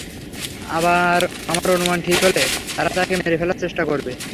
আমার অনুমান ঠিক হলে তারা তাকে মেরে ফেলার চেষ্টা করবে।